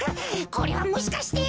これはもしかして！